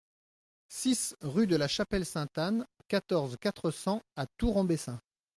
six rue de la Chapelle Sainte-Anne, quatorze, quatre cents à Tour-en-Bessin